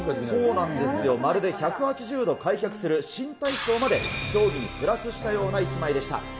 そうなんですよ、まるで１８０度開脚する新体操まで、競技にプラスしたような１枚でした。